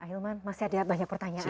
baik ahilman masih ada banyak pertanyaan nih